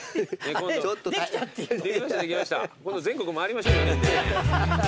今度全国回りましょう４人で。